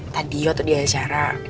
tadi ya itu dia sarah